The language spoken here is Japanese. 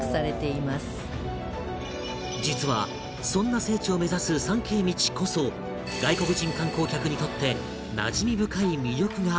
実はそんな聖地を目指す参詣道こそ外国人観光客にとってなじみ深い魅力があるという